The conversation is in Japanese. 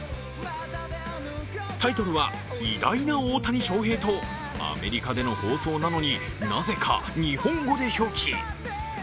タイトルは偉大な大谷翔平とアメリカでの放送なのに、なぜか日本語で表記。